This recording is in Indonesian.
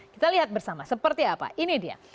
kita lihat bersama seperti apa ini dia